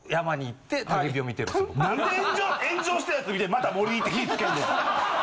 何で炎上したやつ見てまた森行って火つけんねん。